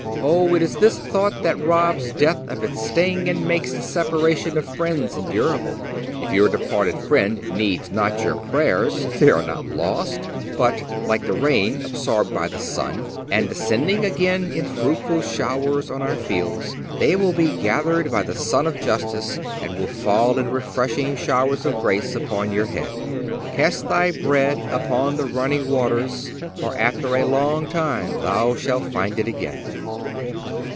(298) Oh! it is this thought that robs death of its sting and makes the separation of friends endurable. If your departed friend needs not your prayers, they are not lost, but, like the rain absorbed by the sun, and descending again in fruitful showers on our fields, they will be gathered by the Sun of justice, and will fall in refreshing showers of grace upon your head: "Cast thy bread upon the running waters; for, after a long time, thou shalt find it again."